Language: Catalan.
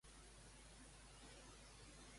Què feia el pare als qui perdien?